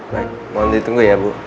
baik mohon ditunggu ya bu